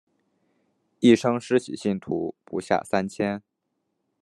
一生施洗信徒不下三千。